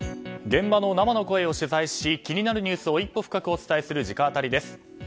現場の生の声を取材し気になるニュースを一歩深くお伝えする直アタリです。